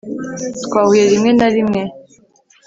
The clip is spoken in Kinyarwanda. Twahuye rimwe na rimwe